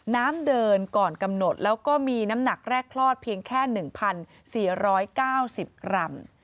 น้ำเดินก่อนกำหนดแล้วก็มีน้ำหนักแรกคลอดเพียงแค่๑๔๙๐กรัม